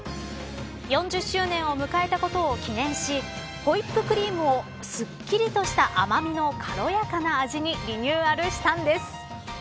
４０周年を迎えたことを記念しホイップクリームをすっきりとした、甘みの軽やかな味にリニューアルしたんです。